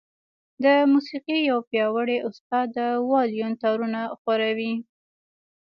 د موسيقۍ يو پياوړی استاد د وايلون تارونه ښوروي.